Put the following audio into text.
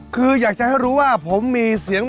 คืออยากจะให้รู้ว่าผมมีเสียง